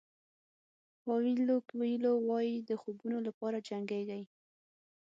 پاویلو کویلو وایي د خوبونو لپاره جنګېږئ.